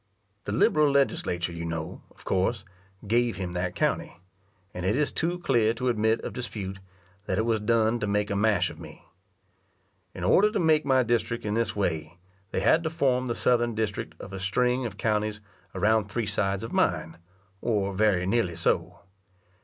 The liberal Legislature you know, of course, gave him that county; and it is too clear to admit of dispute, that it was done to make a mash of me. In order to make my district in this way, they had to form the southern district of a string of counties around three sides of mine, or very nearly so.